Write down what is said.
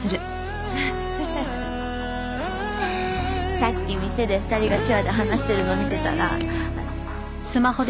さっき店で２人が手話で話してるの見てたら。